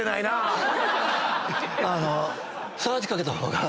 あの。